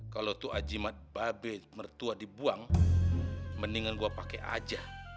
kalau tuh ajimat babe mertua dibuang mendingan gue pakai aja